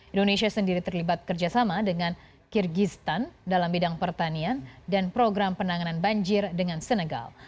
indonesia sendiri terlibat kerjasama dengan kyrgyzstan dalam bidang pertanian dan program penanganan banjir dengan senegal